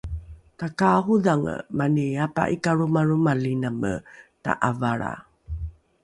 takaarodhange mani apa’ikalromalromaliname ta’avalra